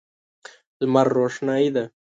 لمر روښنايي ده.